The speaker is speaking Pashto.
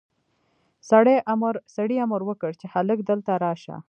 سړي امر وکړ چې هلک دلته راشه.